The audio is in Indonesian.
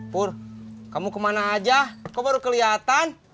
pur kamu kemana aja kok baru keliatan